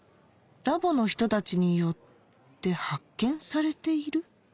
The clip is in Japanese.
ラボの人たちによって発見されている？